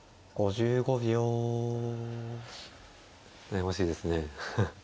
悩ましいですね。